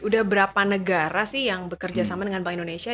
udah berapa negara sih yang bekerja sama dengan bank indonesia